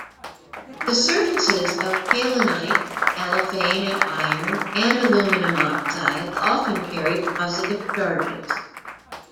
The surfaces of kaolinite, allophane and iron and aluminium oxides often carry positive charges.